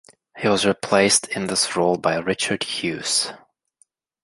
He was replaced in this role by Richard Hughes.